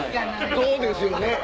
そうですよね！